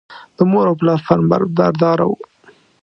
د مور او پلار فرمانبردار و.